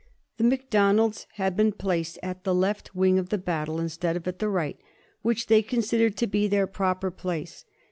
The Mac donalds had been placed at the left wing of the battle instead of at the right, which they considered to be their proper place.